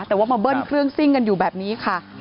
แต่ว่ามาเบิ้ลเครื่องซิ่งกันอยู่แบบนี้ค่ะ